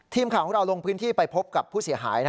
ทีมข่าวของเราลงพื้นที่ไปพบกับผู้เสียหาย